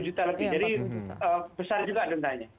empat puluh juta lebih jadi besar juga dendanya